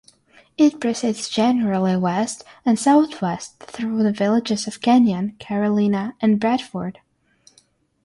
It proceeds generally west and southwest through the villages of Kenyon, Carolina, and Bradford.